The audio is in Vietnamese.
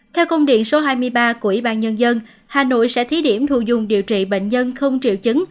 theo công điện số hai mươi ba của ủy ban nhân dân hà nội sẽ thí điểm thu dung điều trị bệnh nhân không triệu chứng